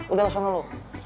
udah langsung dulu